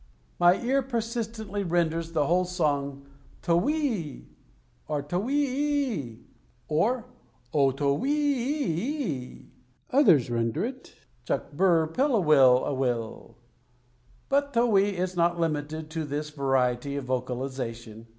My ear persistently renders the whole song, towhee e e e, or towhe hee e e e e, or O towhe he e e e e e. Others render it chuck burr pilla will a will. But towhee is not limited to this variety of vocalization.